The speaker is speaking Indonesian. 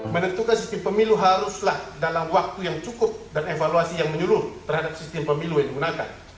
menentukan sistem pemilu haruslah dalam waktu yang cukup dan evaluasi yang menyeluruh terhadap sistem pemilu yang digunakan